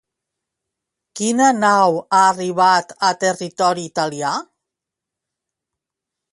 Quina nau ha arribat a territori italià?